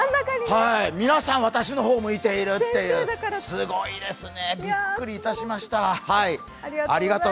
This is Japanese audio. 皆さん私の方を向いているっていう、すごいですね、びっくりいたしました。